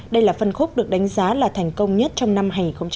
đây là phân khúc được đánh giá là thành công nhất trong năm hai nghìn một mươi chín